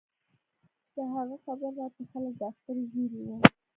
د هغه خبره راته لکه د اختر زېرى و.